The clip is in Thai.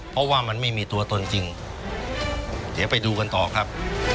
เพราะว่ามันไม่มีตัวตนจริงเดี๋ยวไปดูกันต่อครับ